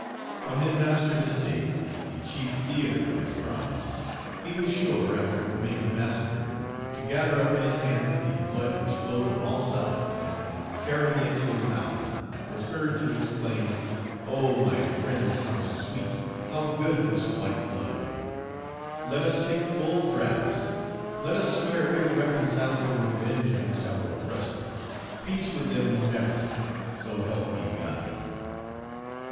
On his master's estate, the chief theatre of his crimes, he was sure, after committing a massacre, to gather up in his hands the blood which flowed on all sides, and, carrying it to his mouth, was heard to exclaim, "Oh, my friends, how sweet how good this white blood! let us take full draughts; let us swear irreconcilable revenge against our oppressors; peace with them, never, so help me God!"